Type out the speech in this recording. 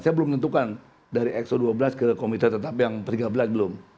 saya belum tentukan dari exo dua belas ke komite tetap yang per tiga belas belum